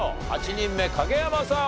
８人目影山さん